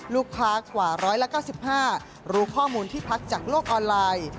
ลูกค้ากว่า๑๙๕รู้ข้อมูลที่พักจากโลกออนไลน์